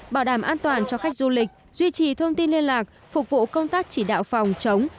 bảo đảm an toàn cho khách du lịch duy trì thông tin liên lạc phục vụ công tác chỉ đạo phòng chống